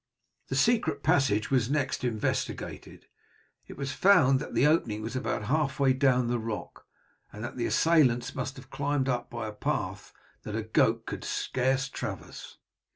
The secret passage was next investigated; it was found that the opening was about half way down the rock, and that the assailants must have climbed up by a path that a goat could scarce traverse.